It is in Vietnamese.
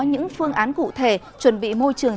những phương án cụ thể chuẩn bị môi trường